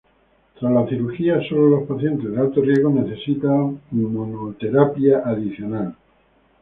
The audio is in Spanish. Tras la cirugía solo los pacientes de alto riesgo necesitan inmunoterapia adicional.